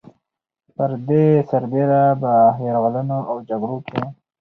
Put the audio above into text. پر دې سربېره به په يرغلونو او جګړو کې